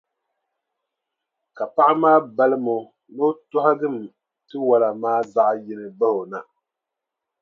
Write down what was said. Ka paɣa maa balimi o ni o tɔhigim tiwala maa zaɣʼ yini bahi o na.